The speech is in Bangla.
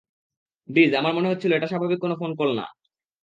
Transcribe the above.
ডিজ আমার মনে হচ্ছিল এটা স্বাভাবিক কোনো ফোন কল না।